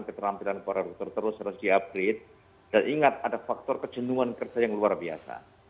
keterampilan para dokter terus harus di upgrade dan ingat ada faktor kejenuhan kerja yang luar biasa